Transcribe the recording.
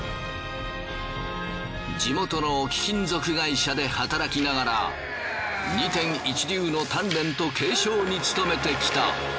地元の貴金属会社で働きながら二天一流の鍛錬と継承に努めてきた。